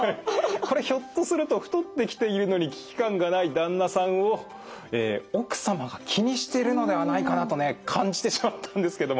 これひょっとすると太ってきているのに危機感がない旦那さんを奥様が気にしてるではないかなとね感じてしまったんですけども。